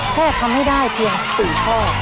แค่ทำให้ได้เพียง๔ข้อ